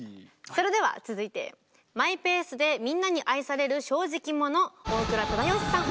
それでは続いてマイペースでみんなに愛される正直者大倉忠義さん。